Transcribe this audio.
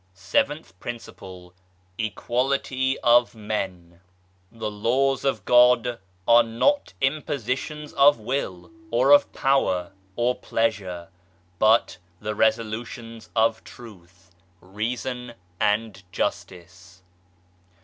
SEVENTH PRINCIPLE EQUALITY OF MEN " The Laws of God are not Impositions of Will, or of Power, or Pleasure, but the Resolutions of Truth, Reason and Justice."